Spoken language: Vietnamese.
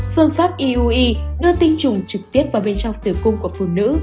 phương pháp iuu đưa tinh trùng trực tiếp vào bên trong tử cung của phụ nữ